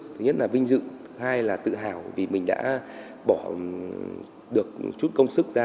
thứ nhất là vinh dự hai là tự hào vì mình đã bỏ được chút công sức ra